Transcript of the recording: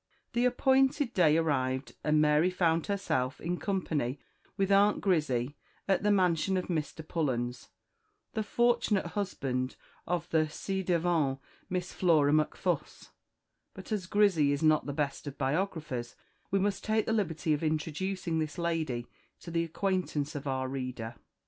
The appointed day arrived, and Mary found herself in company with Aunt Grizzy at the mansion of Mr. Pullens, the fortunate husband of the ci devant Miss Flora Macfuss; but as Grizzy is not the best of biographers, we must take the liberty of introducing this lady to the acquaintance of our reader.